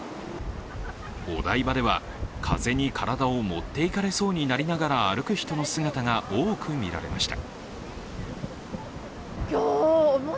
お台場では風に体を持っていかれそうになりながら歩く人の姿が多くみられました。